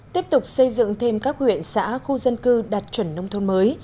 tiếp tục xây dựng thêm các huyện xã khu dân cư đạt chuẩn nông thôn mới